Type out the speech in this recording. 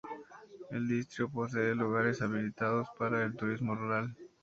El distrito posee lugares habilitados para el Turismo Rural.